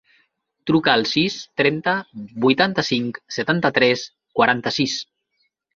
Truca al sis, trenta, vuitanta-cinc, setanta-tres, quaranta-sis.